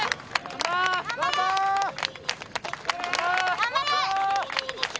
頑張れ！